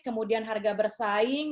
kemudian harga bersaing